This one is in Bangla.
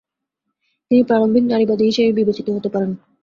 তিনি প্রারম্ভিক নারীবাদী হিসেবে বিবেচিত হতে পারেন।